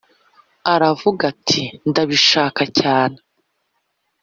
aravuga ati ndabishaka cyane